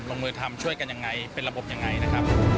ลงมือทำช่วยกันอย่างไรเป็นระบบอย่างไร